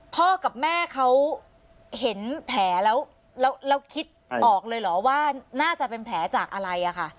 พ่อกับแม่เขาเห็นแผลแล้วคิดออกเลยเหรอว่าน่าจะเป็นแผลจากอะไรอะค่ะ